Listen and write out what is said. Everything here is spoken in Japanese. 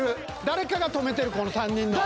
誰かが止めてるこの３人の］